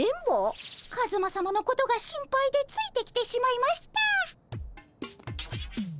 カズマさまのことが心配でついてきてしまいました。